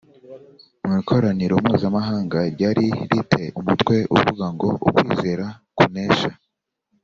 mu ikoraniro mpuzamahanga ryari ri te umutwe uvuga ngo Ukwizera kunesha